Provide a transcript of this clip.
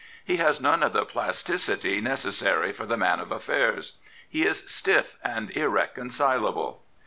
He has none of the pl^ticity necessary for the man of affairs. He is stifF and irreconcilable.